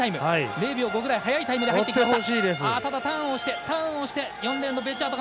０秒５ぐらい速いタイムで入ってきました。